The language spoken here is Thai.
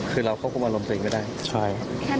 คือเราเข้ากลุ่มอารมณ์ตัวเองก็ได้แค่นั้นเลยใช่ใช่